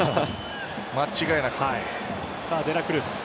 間違いなく。